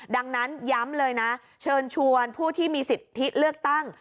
ดังนั้นย้ำเลยนะเชิญชวนผู้ที่มีสิทธิเลือกตั้ง